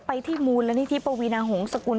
ไปที่มูลละนิธิปวินาหงษ์สกุล